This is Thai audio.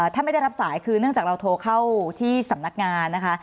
ถ้าไม่ได้รับสายคือเนื่องจากเราโทรเข้าที่สำนักงานนะคะ